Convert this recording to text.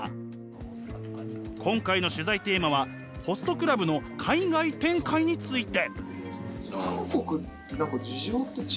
今回の取材テーマはホストクラブの海外展開について。